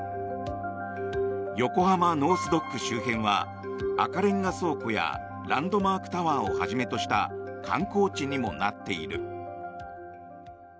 横浜ノース・ドック周辺は赤レンガ倉庫やランドマークタワーをはじめとした観光地にもなっている。